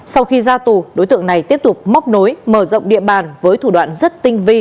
sau khi ra tù đối tượng này tiếp tục móc nối mở rộng địa bàn với thủ đoạn rất tinh vi